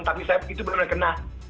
tapi itu bener bener kena